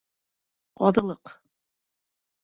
Ҡаҙылыҡ